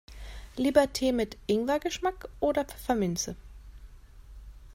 Lieber Tee mit Ingwer-Geschmack oder Pfefferminze?